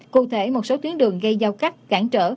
cụ thể một số tuyến đường gây giao cắt cản trở